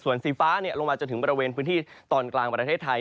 ส่วนสีฟ้าลงมาจนถึงบริเวณพื้นที่ตอนกลางประเทศไทย